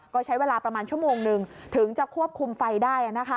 ก็ใช้เวลาประมาณชั่วโมงนึงถึงจะควบคุมไฟได้